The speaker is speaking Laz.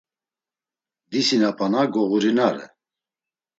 Disinapana goğurinare.